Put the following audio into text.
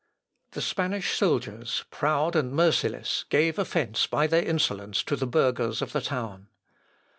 The Spanish soldiers, proud and merciless, gave offence by their insolence to the burghers of the town.